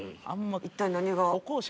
一体何が？